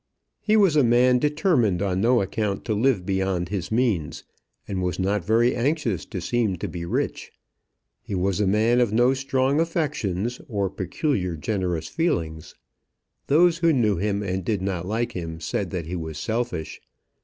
He was a man determined on no account to live beyond his means; and was not very anxious to seem to be rich. He was a man of no strong affections, or peculiarly generous feelings. Those who knew him, and did not like him, said that he was selfish.